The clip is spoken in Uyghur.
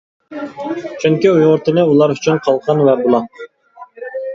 چۈنكى ئۇيغۇر تىلى ئۇلار ئۈچۈن قالقان ۋە بۇلاق.